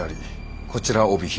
こちら帯広。